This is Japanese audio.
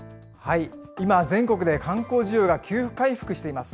今、全国で観光需要が急回復しています。